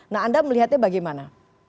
nah anda melihatnya bagaimana